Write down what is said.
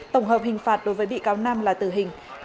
tổng hợp hình phạt đối với bị cáo nam là tử hình